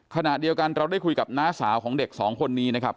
ขณะเดียวกันเราได้คุยกับน้าสาวของเด็กสองคนนี้นะครับ